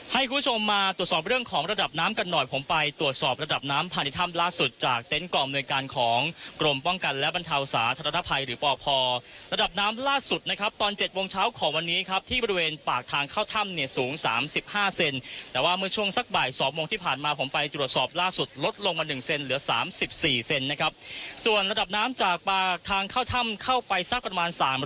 ให้คุณผู้ชมมาตรวจสอบเรื่องของระดับน้ำกันหน่อยผมไปตรวจสอบระดับน้ำผ่านในถ้ำล่าสุดจากเต็นต์กรอบนวยการของกรมป้องกันและบรรเทาสาธารณภัยหรือป่อพอร์ระดับน้ำล่าสุดนะครับตอนเจ็ดวงเช้าของวันนี้ครับที่บริเวณปากทางเข้าถ้ำเนี่ยสูงสามสิบห้าเซนแต่ว่ามือช่วงสักบ่ายสองโมงที่ผ่